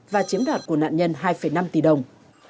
và chiếm đoạt của nạn nhân hai năm tỷ đồng